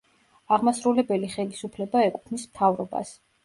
აღმასრულებელი ხელისუფლება ეკუთვნის მთავრობას.